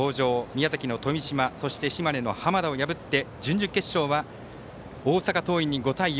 宮崎の富島、島根の浜田を破って準々決勝は大阪桐蔭に５対４。